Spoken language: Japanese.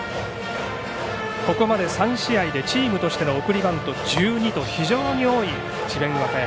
ここまで３試合でチームとしての送りバント１２と非常に多い智弁和歌山。